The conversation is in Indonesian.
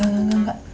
enggak enggak enggak